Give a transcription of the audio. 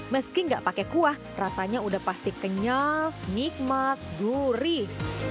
meski nggak pakai kuah rasanya udah pasti kenyal nikmat gurih